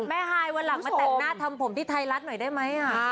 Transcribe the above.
ฮายวันหลังมาแต่งหน้าทำผมที่ไทยรัฐหน่อยได้ไหม